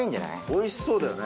おいしそうだよね